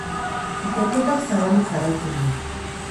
Ikerketak zabalik jarraitzen du.